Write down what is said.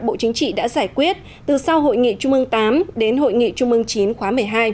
bộ chính trị đã giải quyết từ sau hội nghị trung ương viii đến hội nghị trung ương chín khóa một mươi hai